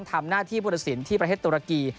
ทำหน้าที่ผู้สินที่ประเทศตุรกี